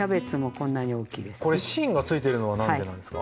これ芯がついてるのは何でなんですか？